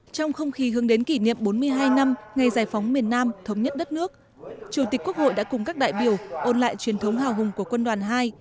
trong không khí hướng đến kỷ niệm bốn mươi hai năm ngày giải phóng miền nam thống nhất đất nước chủ tịch quốc hội đã cùng các đại biểu ôn lại truyền thống hào hùng của quân đoàn hai